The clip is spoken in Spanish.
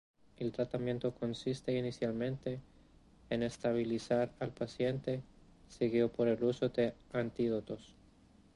El tratamiento consiste inicialmente en estabilizar al paciente, seguido por el uso de antídotos.